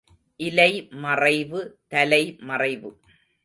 இலை மறைவு, தலை மறைவு.